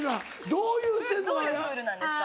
どういうクールなんですか？